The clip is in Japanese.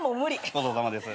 ごちそうさまです。